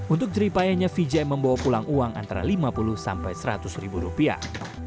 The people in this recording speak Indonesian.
untuk jeripayanya vijay membawa pulang uang antara lima puluh sampai seratus ribu rupiah